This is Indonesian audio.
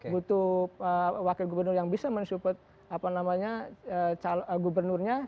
butuh wakil gubernur yang bisa mensupport gubernurnya